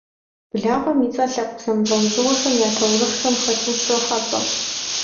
Благъуэм и цӏэр лъэпкъ зэмылӏэужьыгъуэхэм я таурыхъхэм хэту ущырохьэлӏэ.